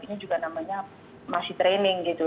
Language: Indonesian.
ini juga namanya masih training gitu